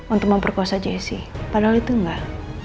untuk memperkuasa jessi padahal itu enggak